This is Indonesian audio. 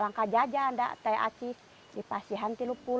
rangka jajan teh aci di pasihan tiga puluh